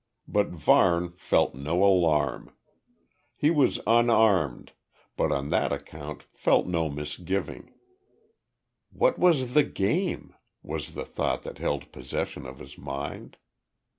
But Varne felt no alarm. He was unarmed, but on that account felt no misgiving; "What was the game?" was the thought that held possession of his mind.